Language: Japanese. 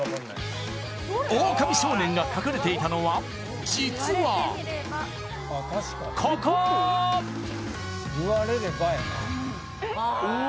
オオカミ少年が隠れていたのは実はここー！